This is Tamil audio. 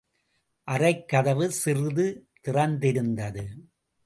அறைக்கதவு சிறிது திறந்திருந்தது.